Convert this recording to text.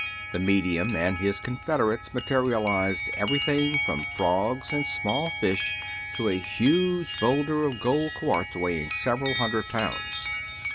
The medium and his confederates mate rialized everything from frogs and small fish to a huge bowlder of gold quartz weighing several hundred pounds.